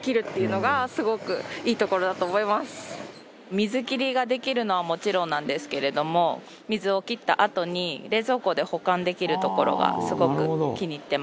水切りができるのはもちろんなんですけれども水を切ったあとに冷蔵庫で保管できるところがすごく気に入ってます。